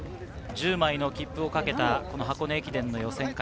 １０枚の切符を懸けた箱根駅伝予選会。